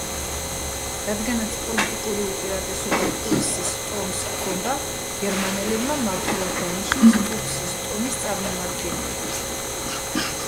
რადგანაც პოლიტიკური უპირატესობა ტუტსის ტომს ჰქონდა, გერმანელებმა მმართველად დანიშნეს ტუტსის ტომის წარმომადგენელი.